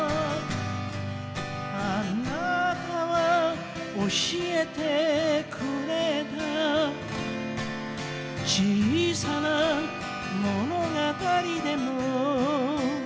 「あなたは教えてくれた小さな物語でも」